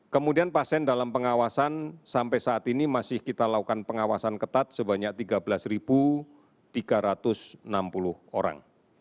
kemudian pasien dalam pengawasan sampai saat ini masih kita lakukan pengawasan ketat sebanyak tiga belas tiga ratus enam puluh orang